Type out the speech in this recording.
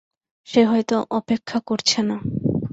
সে হয়তো অপেক্ষা করছে না।